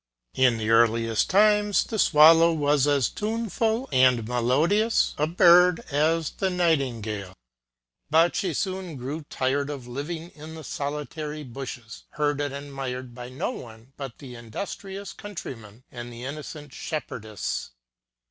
In the earliest times the Swallow was as tuneful and melodious a bird as the Nightingale. But she soon grew tired of living in the solitary bushes, heard and admired by no one but the industrious countryman and the innocent shepherdess.